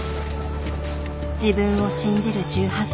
自分を信じる１８歳。